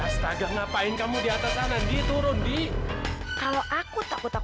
sampai jumpa di video selanjutnya